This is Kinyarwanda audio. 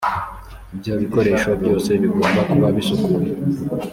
ibyo bikoresho byose bigomba kuba bisukuye